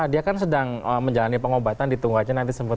dia kan sedang menjalani pengobatan ditunggu aja nanti sembuh